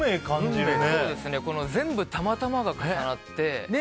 全部、たまたまが重なって。